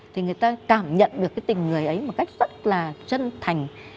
thì người ta cảm nhận được cái tình người ấy một cách rất là chân thành